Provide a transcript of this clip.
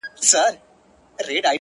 • په سپوږمۍ كي زمـــا ژوندون دى ـ